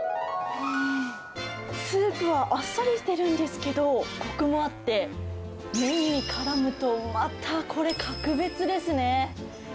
スープはあっさりしてるんですけど、こくもあって、麺にからむとまたこれ、格別ですね。